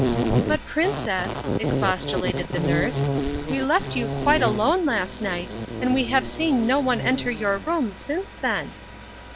"But, Princess," expostulated the nurse, "we left you quite alone last night, and we have seen no one enter your room since then."